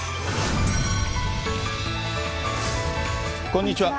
こんにちは。